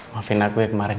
maafin aku ya kemarin